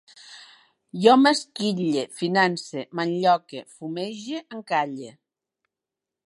Jo m'esquitlle, finance, m'enlloque, fumege, encalle